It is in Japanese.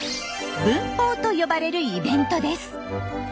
「分蜂」と呼ばれるイベントです。